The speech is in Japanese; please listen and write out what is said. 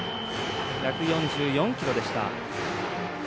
１４４キロでした。